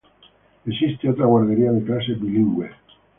Existe otra guardería de clase bilingüe.